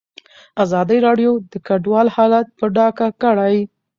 ازادي راډیو د کډوال حالت په ډاګه کړی.